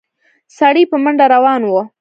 سړی په منډه روان و.